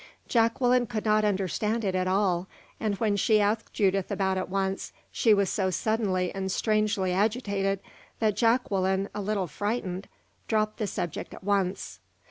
Jacqueline could not understand it at all; and when she asked Judith about it once, she was so suddenly and strangely agitated that Jacqueline, a little frightened, dropped the subject at once.